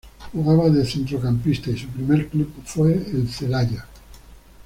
Jugaba de centrocampista y su primer club fue el Celaya.